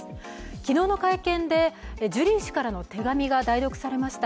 昨日の会見でジュリー氏からの手紙が代読されました。